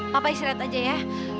papa istirahat aja ya